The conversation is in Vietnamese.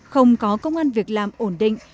không có công an việc làm ổn định